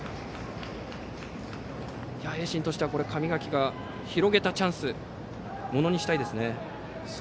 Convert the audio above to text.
盈進としては神垣が広げたチャンスをものにしたいですね。